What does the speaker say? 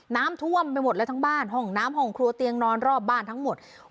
น้ำท่วมไปหมดเลยทั้งบ้านห้องน้ำห้องครัวเตียงนอนรอบบ้านทั้งหมด